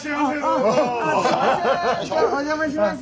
お邪魔します。